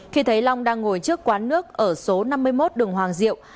khi thấy long đang ngồi trước quán nước ở số năm mươi một đường hoàng diệu